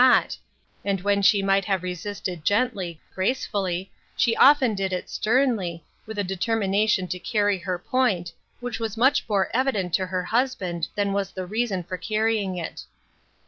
not ; and when she might have resisted gently, gracefully, she often did it sternly, with a deter mination to carry her point, which was much more evident to her husband than was the reason for carrying it.